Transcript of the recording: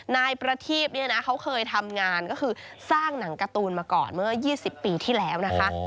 นายประทีพเนี่ยนะเขาเคยทำงานก็คือสร้างหนังการ์ตูนมาก่อนเมื่อ๒๐ปีที่แล้วนะคะ